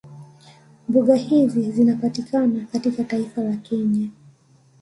Mbuga hizi zinapatikana katika taifa la Kenya